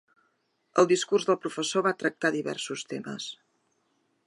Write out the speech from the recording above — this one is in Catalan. El discurs del professor va tractar diversos temes.